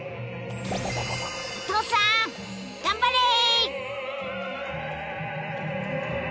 お父さん頑張れ！